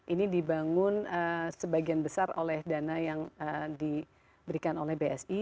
ini dibangun sebagian besar oleh dana yang diberikan oleh bsi